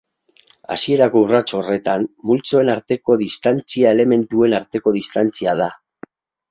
Hasierako urrats horretan, multzoen arteko distantzia elementuen arteko distantzia da.